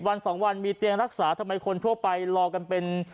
วันสองวันมีเตียงรักษาทำไมคนทั่วไปรอกันเป็น